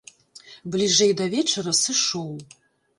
Бліжэй да вечара сышоў.